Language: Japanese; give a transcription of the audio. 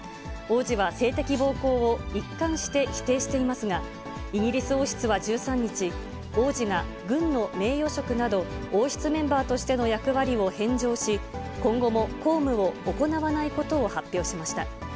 王子は性的暴行を一貫して否定していますが、イギリス王室は１３日、王子が軍の名誉職など、王室メンバーとしての役割を返上し、今後も公務を行わないことを発表しました。